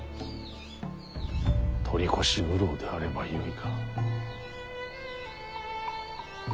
取り越し苦労であればよいが。